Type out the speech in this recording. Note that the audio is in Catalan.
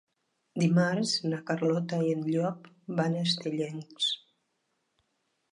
Dimarts na Carlota i en Llop van a Estellencs.